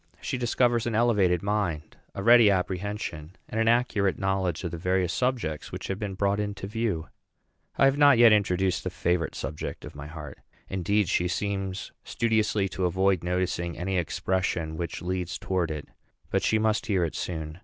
She discovers an elevated mind, a ready apprehension, and an accurate knowledge of the various subjects which have been brought into view. I have not yet introduced the favorite subject of my heart. Indeed, she seems studiously to avoid noticing any expression which leads towards it; but she must hear it soon.